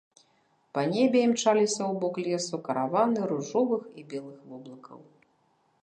Па небе імчаліся ў бок лесу караваны ружовых і белых воблакаў.